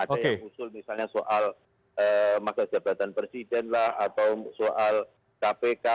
ada yang usul misalnya soal masa jabatan presiden lah atau soal kpk